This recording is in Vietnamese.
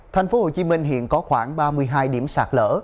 tp hcm hiện có khoảng ba mươi hai điểm sạc lỡ